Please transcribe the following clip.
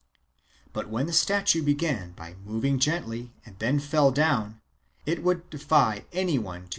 But when the statue began by moving gently, and then fell down, it would defy anyone to.